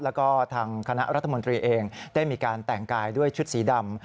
แล้วก็ทางคณะรัฐมนตรีเองได้มีการแต่งกายด้วยชุดสีดำ